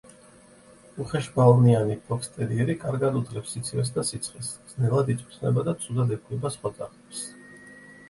უხეშბალნიანი ფოქსტერიერი კარგად უძლებს სიცივეს და სიცხეს, ძნელად იწვრთნება და ცუდად ეგუება სხვა ძაღლებს.